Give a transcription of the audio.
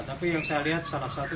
tapi yang saya lihat salah satu